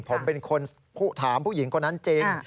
ผมเป็นคนถามผู้หญิงคนนั้นจริง